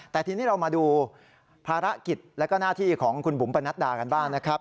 แต่ทีนี้เรามาดูภารกิจแล้วก็หน้าที่ของคุณบุ๋มปนัดดากันบ้างนะครับ